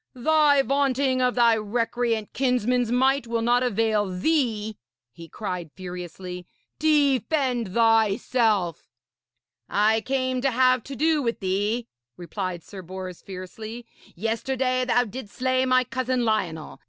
'Thy vaunting of thy recreant kinsman's might will not avail thee,' he cried furiously. 'Defend thyself!' 'I came to have to do with thee,' replied Sir Bors fiercely. 'Yesterday thou didst slay my cousin Lionel.